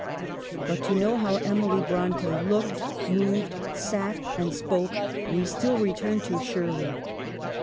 But to know how Emily Bronte looked, moved, sat, and spoke, we still return to ' Shirley.'